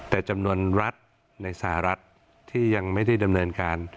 แต่จำนวนรัฐในสหรัฐที่ยังไม่ได้ดำเนินการ